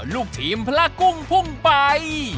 ลูกทีมพระกุ้งพุ่งไป